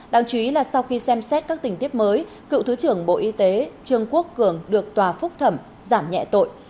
đáng chú ý là sau khi xem xét các tình tiết mới cựu thứ trưởng bộ y tế trương quốc cường được tòa phúc thẩm giảm nhẹ tội